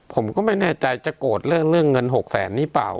ผมก็ไม่แน่ใจจะโกรธเรื่องเงิน๖แสนนี่เปล่า